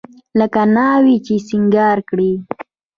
لکه ناوې چې سينګار کړې.